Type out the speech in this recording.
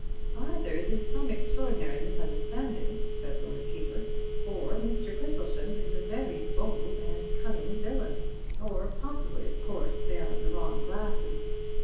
"Either it is some extraordinary misunderstanding," said Lord Peter, "or Mr. Crimplesham is a very bold and cunning villain. Or possibly, of course, they are the wrong glasses.